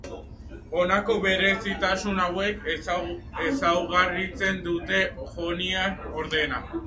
Honako berezitasun hauek ezaugarritzen dute joniar ordena.